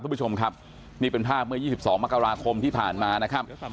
คุณผู้ชมครับนี่เป็นภาพเมื่อ๒๒มกราคมที่ผ่านมานะครับ